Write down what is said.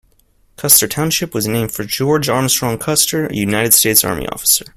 Custer Township was named for George Armstrong Custer, a United States Army officer.